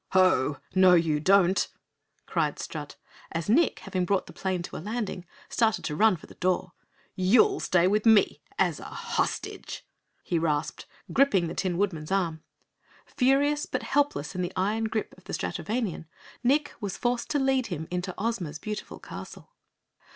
"Ho! No you don't!" cried Strut, as Nick, having brought the plane to a landing, started to run for the door. "You'll stay with me, as a hostage!" he rasped, gripping the Tin Woodman's arm. Furious but helpless in the iron grasp of the Stratovanian, Nick was forced to lead him into Ozma's beautiful castle.